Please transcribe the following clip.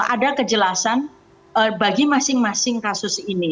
ada kejelasan bagi masing masing kasus ini